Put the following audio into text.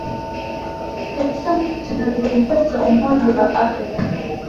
katika mkutano wa viongozi wa umoja wa afrika